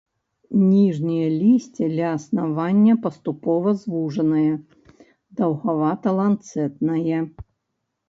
Ніжняе лісце ля аснавання паступова звужанае, даўгавата-ланцэтнае.